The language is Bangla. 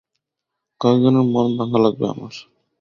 কয়েকজনের মন ভাঙা লাগবে আমার!